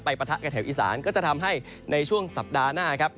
ปะทะกับแถวอีสานก็จะทำให้ในช่วงสัปดาห์หน้าครับ